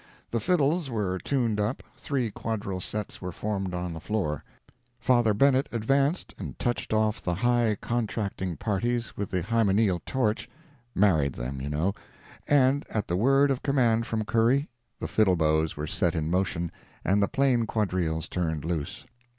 The fiddles were tuned up, three quadrille sets were formed on the floor. Father Bennett advanced and touched off the high contracting parties with the hymeneal torch ( married them, you know), and at the word of command from Curry, the fiddle bows were set in motion, and the plain quadrilles turned loose.